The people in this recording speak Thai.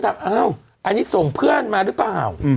อ้าวอันนี้ส่งเพื่อนมาหรือเปล่า